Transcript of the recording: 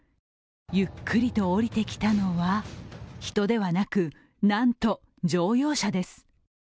ゆっくりと降りてきたのは人ではなく、なんと乗用車です。